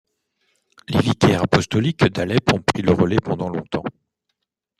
Les vicaires apostoliques d'Alep ont pris le relais pendant longtemps.